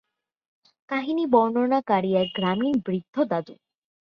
কাহিনী বর্ণনাকারী এক গ্রামীণ বৃদ্ধ দাদু।